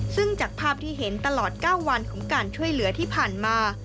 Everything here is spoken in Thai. ซึ่งจากภาพที่เห็นตลอด๙วันของการช่วยเหลือที่ผ่านมา